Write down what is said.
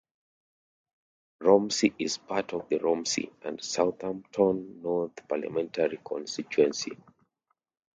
Romsey is part of the Romsey and Southampton North parliamentary constituency.